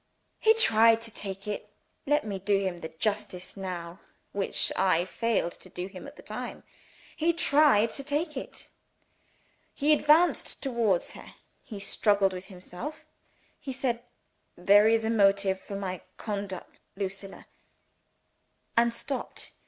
He tried to take it let me do him the justice now, which I failed to do him at the time he tried to take it. He advanced towards her; he struggled with himself; he said, "There is a motive for my conduct, Lucilla " and stopped.